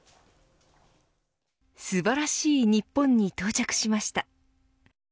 素晴らしい日本に到着しました。